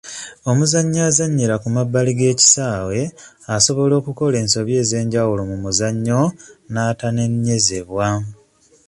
Omuzannyi azannyira ku mabbali g'ekisaawe asobola okukola ensobi ez'enjawulo mu muzannyo n'atanenyezebwa.